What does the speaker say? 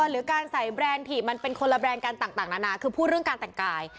หรือการใส่แบรนด์ถี่มันเป็นคนละแบรนด์กันต่างนานาคือพูดเรื่องการแต่งกาย